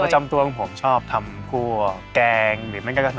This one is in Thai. ประจำตัวของผมชอบทำคั่วกแกงหรือแม่งก็คสมจีน